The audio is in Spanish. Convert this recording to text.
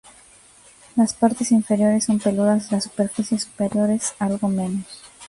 Las partes inferiores son peludas, las superficies superiores algo menos.